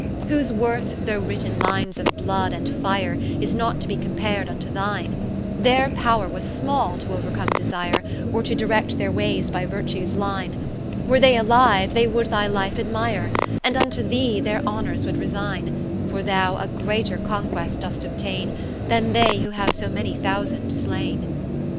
Whose worth, though writ in lines of blood and fire, Is not to be compared vnto thine; Their powre was small to ouercome Desire, Or to direct their wayes by Virtues line: Were they aliue, they would thy Life admire, And vnto thee their honours would resigne: For thou a greater conquest do'st obtaine, Than they who haue so many thousands slaine.